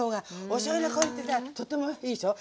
おしょうゆの香りってさとってもいいでしょ。